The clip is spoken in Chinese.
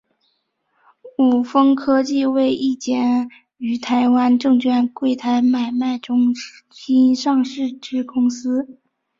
伍丰科技为一间于台湾证券柜台买卖中心上市之公司。